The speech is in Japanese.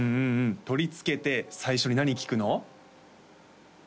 取りつけて最初に何聴くの？